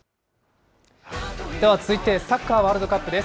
では続いて、サッカーワールドカップです。